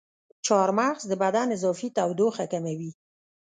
چارمغز د بدن اضافي تودوخه کموي.